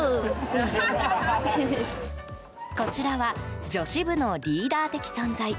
こちらは女子部のリーダー的存在